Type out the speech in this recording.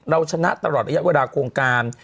เราชนะตลอดระยะเวลาโครงการ